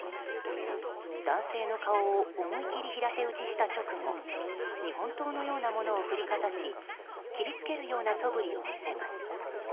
男性の顔を思い切り平手打ちした直後日本刀のようなものを振りかざし切りつけるようなそぶりを見せます。